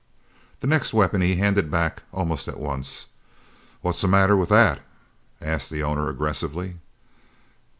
The next weapon he handed back almost at once. "What's the matter with that?" asked the owner aggressively.